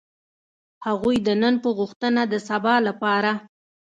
هغوی د نن په غوښتنه د سبا لپاره.